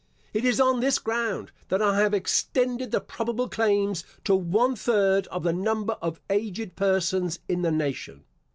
It is on this ground that I have extended the probable claims to one third of the number of aged persons in the nation.